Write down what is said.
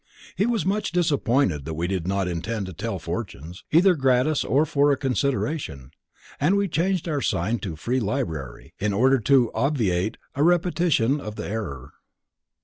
He was much disappointed that we did not intend to tell fortunes, either gratis or for a consideration, and we changed our sign to "Free Library" in order to obviate a repetition of the error.